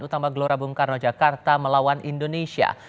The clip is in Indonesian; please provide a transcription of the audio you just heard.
utama gelora bumkarno jakarta melawan indonesia